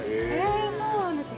えっそうなんですね。